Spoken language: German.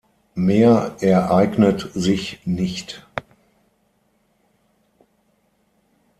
Mehr ereignet sich nicht.